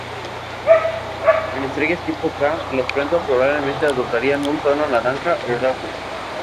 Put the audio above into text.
En estrellas tipo K, las plantas probablemente adoptarían un tono naranja o rojo.